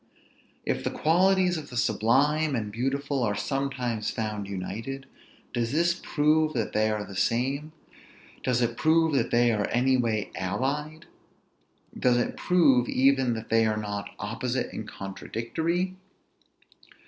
If the qualities of the sublime and beautiful are sometimes found united, does this prove that they are the same; does it prove that they are any way allied; does it prove even that they are not opposite and contradictory?